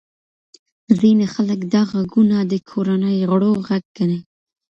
ځینې خلک دا غږونه د کورنۍ غړو غږ ګڼي.